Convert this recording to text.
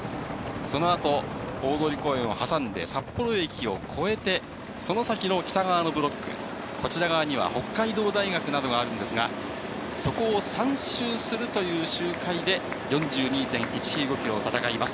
そのあと、大通公園を挟んで、札幌駅を越えて、その先の北側のブロック、こちら側には北海道大学などがあるんですが、そこを３周するという周回で、４２．１９５キロを戦います。